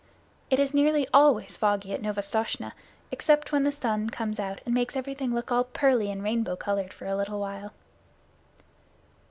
It is nearly always foggy at Novastoshnah, except when the sun comes out and makes everything look all pearly and rainbow colored for a little while.